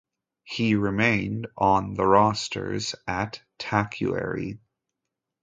He remained on the rosters at Tacuary.